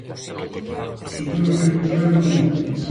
Supoño que non tiveron tempo.